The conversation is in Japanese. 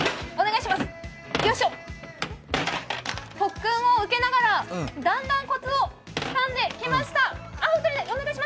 特訓を受けながらだんだんこつをつかんできました。